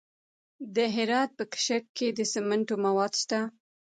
د هرات په کشک کې د سمنټو مواد شته.